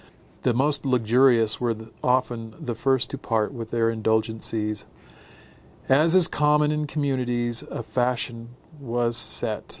The most luxurious were often the first to part with their indulgencies. As is common in communities, a fashion was set.